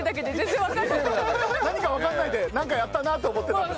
何かわからないでなんかやったなと思ってたんですか？